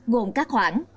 gồm các khoản